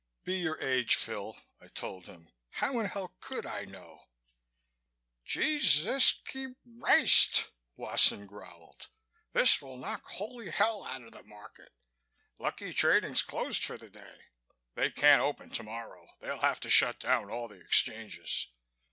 "Be your age, Phil," I told him. "How in hell could I know?" "Je sus Ke rist!" Wasson growled. "This will knock holy hell out of the Market. Lucky trading's closed for the day. They can't open tomorrow. They'll have to shut down all the exchanges.